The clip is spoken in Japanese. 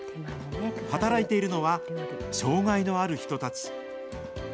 働いているのは障害のある人たち。